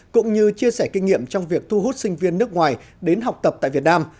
cũng như chia sẻ kinh nghiệm trong việc thu hút sinh viên nước ngoài đến học tập tại việt nam